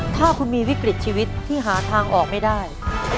ถ้าคุณมีวิกฤตชีวิตที่หาทางออกไม่ได้